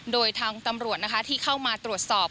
โดยทางตำรวจนะคะที่เข้ามาตรวจสอบ